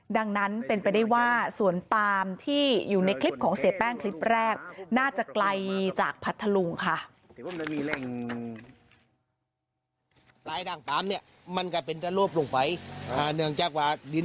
ดังนั้นเป็นไปได้ว่าสวนปามที่อยู่ในคลิปของเสียแป้งคลิปแรกน่าจะไกลจากพัทธลุงค่ะ